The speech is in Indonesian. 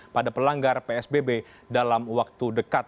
pada pelanggar psbb dalam waktu dekat